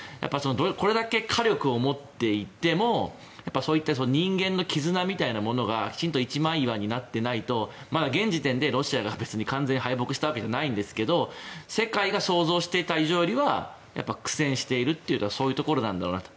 これだけ火力を持っていても人間の絆みたいなものがきちんと一枚岩になっていないと現時点でロシアが別に完全敗北したわけじゃないですが世界が想像したよりは苦戦しているのはそういうところなんだろうなと。